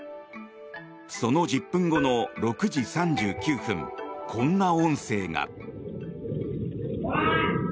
その１０分後の６時３９分こんな音声が。